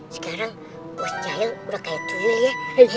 sekarang bos jahil udah kayak tuyul ya